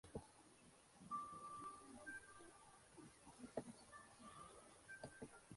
Debido a la ubicación septentrional de Dinamarca, las horas de luz solar varían grandemente.